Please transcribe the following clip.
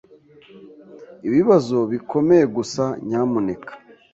Ibibazo bikomeye gusa, nyamuneka.